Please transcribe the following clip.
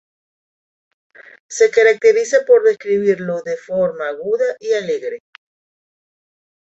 Se caracteriza por describirlo de forma aguda y alegre.